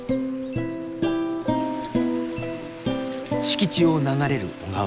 敷地を流れる小川。